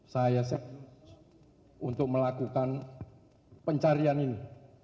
saya cek untuk melakukan pencarian ini